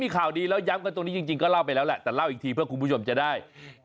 ข่าวดีแล้วย้ำกันตรงนี้จริงก็เล่าไปแล้วแหละแต่เล่าอีกทีเพื่อคุณผู้ชมจะได้